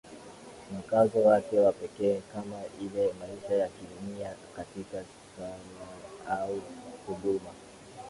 mkazo wake wa pekee kama vile maisha ya kimya katika sala au huduma